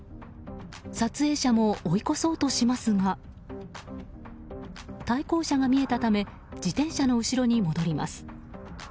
撮影者も追い越そうとしますが対向車が見えたため自転車の後ろに戻ります。